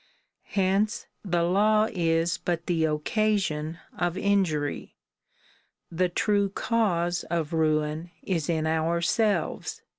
Hence the law is but the occasion of injury. The true cause of ruin is in ourselves.